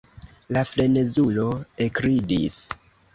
La frenezulo ekridis.